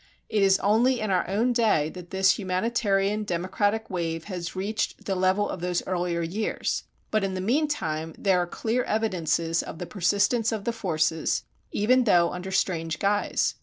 It is only in our own day that this humanitarian democratic wave has reached the level of those earlier years. But in the meantime there are clear evidences of the persistence of the forces, even though under strange guise.